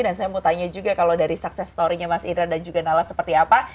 dan saya mau tanya juga kalau dari sukses story nya mas indra dan juga nala seperti apa